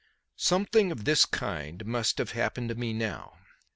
Something of this kind must have happened to me now.